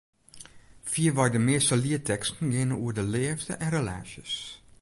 Fierwei de measte lietteksten geane oer de leafde en relaasjes.